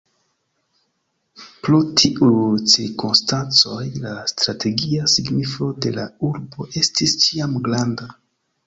Pro tiuj cirkonstancoj la strategia signifo de la urbo estis ĉiam granda.